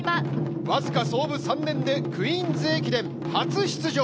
僅か創部３年でクイーンズ駅伝初出場。